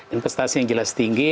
investasi yang jelas tinggi